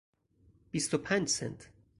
بیست و پنج سنت